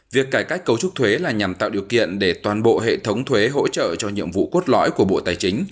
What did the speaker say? việc cải cách cấu trúc thuế là nhằm tạo điều kiện để toàn bộ hệ thống thuế hỗ trợ cho nhiệm vụ cốt lõi của bộ tài chính